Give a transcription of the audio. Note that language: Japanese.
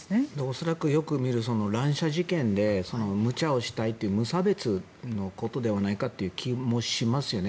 恐らくよく見る乱射事件で無茶をしたいという無差別のことではないかという気もしますよね。